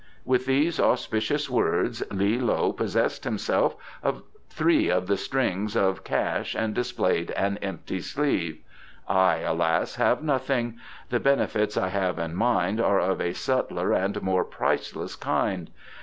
With these auspicious words Li loe possessed himself of three of the strings of cash and displayed an empty sleeve. "I, alas, have nothing. The benefits I have in mind are of a subtler and more priceless kind.